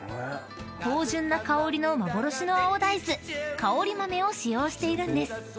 ［芳醇な香りの幻の青大豆香り豆を使用しているんです］